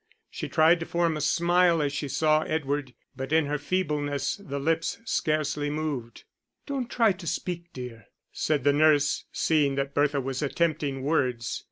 She tried to form a smile as she saw Edward, but in her feebleness the lips scarcely moved. "Don't try to speak, dear," said the nurse, seeing that Bertha was attempting words.